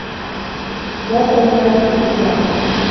واصل سامي الانتظار.